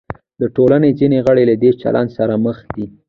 د ټولنې ځینې غړي له دې چلند سره مخ دي.